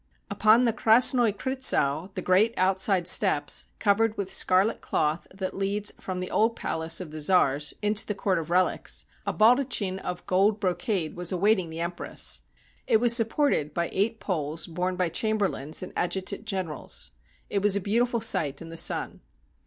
Upon the Krasnoi Krytzow, the great outside steps, covered with scarlet cloth that leads from the old Palace of the Czars into the Court of Relics, a baldachin of gold brocade was awaiting the empress. It was supported by eight poles borne by chamberlains and adjutant gen erals. It was a beautiful sight in the sun.